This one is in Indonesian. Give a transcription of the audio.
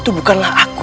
itu bukanlah pencari